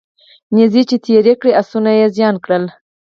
نیزې یې تیرې کړې اسونه یې زین کړل